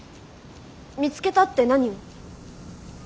見つけたって何を？